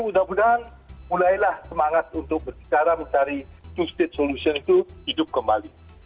mudah mudahan mulailah semangat untuk berbicara mencari two state solution itu hidup kembali